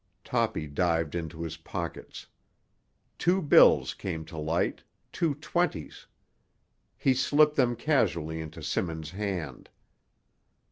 Toppy dived into his pockets. Two bills came to light—two twenties. He slipped them casually into Simmons' hand.